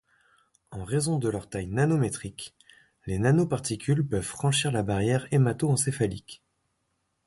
En raison de leur taille nanométrique, les nanoparticules peuvent franchir la barrière hémato-encéphalique.